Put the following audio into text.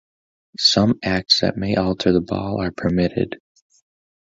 Some acts that may alter the ball are permitted.